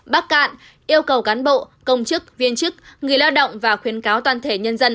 bắc cạn yêu cầu cán bộ công chức viên chức người lao động và khuyến cáo toàn thể nhân dân